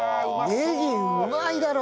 ねぎうまいだろ。